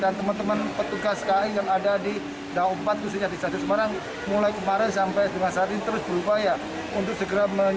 dan teman teman petugas ki yang ada di daop empat khususnya di satu semarang mulai kemarin sampai dengan saat ini terus berupaya untuk segera menyelesaikan